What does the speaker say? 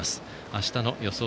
あしたの予想